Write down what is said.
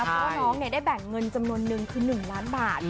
เพราะน้องเนี่ยได้แบ่งเงินจำนวนหนึ่งคือ๑ล้านบาท